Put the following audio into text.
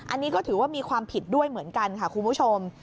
อันนี้ก็ถือว่ามีความผิดด้วยเหมือนกันค่ะคุณผู้ชม